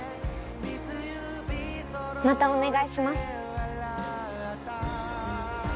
またお願いします！